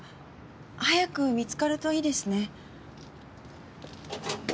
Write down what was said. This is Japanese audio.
早く見つかるといいですね。